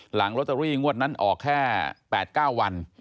หลังลอตเตอรี่งวดนั้นออกแค่๘๙วัน